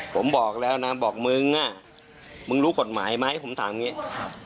ผมบอกแล้วนะบอกมึงอ่ะมึงรู้กฎหมายไหมผมถามอย่างงี้ครับ